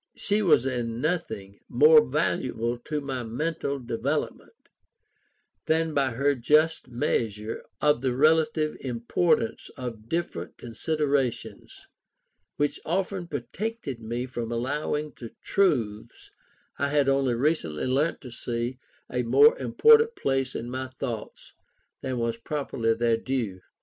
She was in nothing more valuable to my mental development than by her just measure of the relative importance of different considerations, which often protected me from allowing to truths I had only recently learnt to see, a more important place in my thoughts than was properly their due.